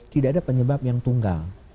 tidak ada penyebab yang tunggal